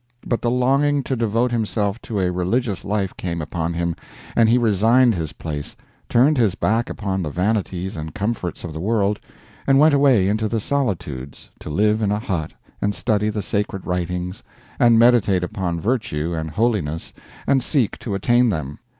But the longing to devote himself to a religious life came upon him, and he resigned his place, turned his back upon the vanities and comforts of the world, and went away into the solitudes to live in a hut and study the sacred writings and meditate upon virtue and holiness and seek to attain them.